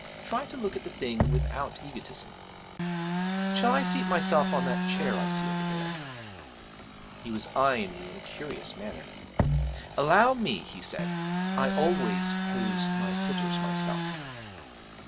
Try to look at the thing without egotism. Shall I seat myself on that chair I see over there?' He was eyeing me in a curious manner. 'Allow me,' he said; 'I always pose my sitters myself.'